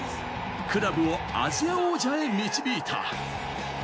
クラブをアジア王者へ導いた。